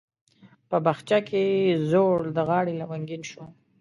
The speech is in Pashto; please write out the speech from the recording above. په بخچه کې زوړ د غاړي لونګین شو